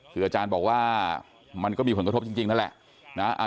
คืออาจารย์บอกว่ามันก็มีผลกระทบจริงนั่นแหละนะ